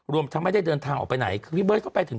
รวมทั้งไม่ได้เดินทางออกไปไหนคือพี่เบิร์ตก็ไปถึง